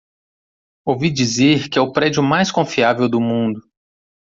Ouvi dizer que é o prêmio mais confiável do mundo.